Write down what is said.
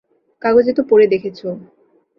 কাগজে তো পড়ে দেখেছ।